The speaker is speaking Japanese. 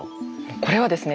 これはですね